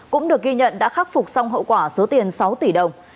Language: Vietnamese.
cũng được ghi nhận đã khắc phục xong hậu quả số tiền sáu tỷ đồng